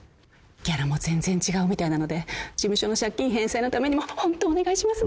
ギャラも全然違うみたいなので事務所の借金返済のためにもホントお願いしますね。